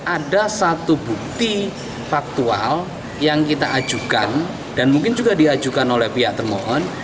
ada satu bukti faktual yang kita ajukan dan mungkin juga diajukan oleh pihak termohon